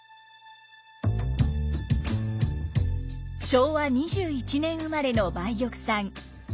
昭和２１年生まれの梅玉さん。